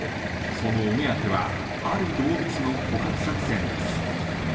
そのお目当ては、ある動物の捕獲作戦です。